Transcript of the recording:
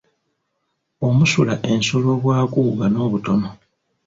Omusula ensolo obwaguuga n’obutono.